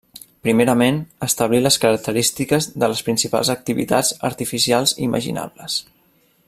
Primerament, establir les característiques de les principals activitats artificials imaginables.